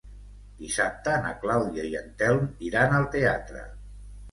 Dissabte na Clàudia i en Telm iran al teatre.